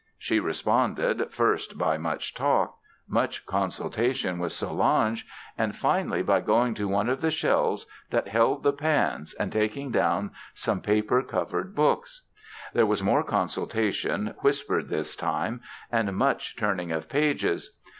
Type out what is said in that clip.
She responded, first by much talk, much consultation with Solange, and finally by going to one of the shelves that held the pans and taking down some paper covered books. There was more consultation, whispered this time, and much turning of pages.